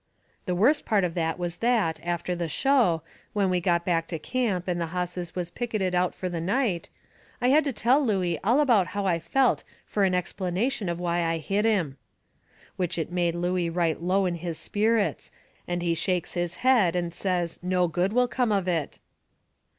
The worst part of that was that, after the show, when we got back to camp and the hosses was picketed out fur the night, I had to tell Looey all about how I felt fur an explanation of why I hit him. Which it made Looey right low in his sperrits, and he shakes his head and says no good will come of it.